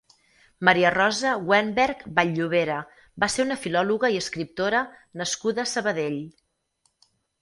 Maria-Rosa Wennberg Ball-llovera va ser una filòloga i escriptora nascuda a Sabadell.